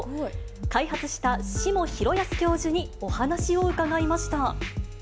開発した志茂浩和教授にお話を伺いました。